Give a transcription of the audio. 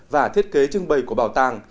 và thiết kế trưng bày của bảo tàng